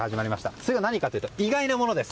それが何かというと意外なものです。